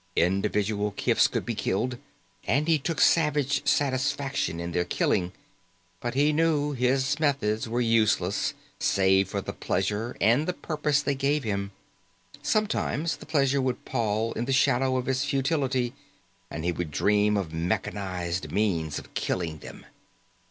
Individual kifs could be killed, and he took savage satisfaction in their killing, but he knew his methods were useless save for the pleasure and the purpose they gave him. Sometimes the pleasure would pall in the shadow of its futility, and he would dream of mechanized means of killing them.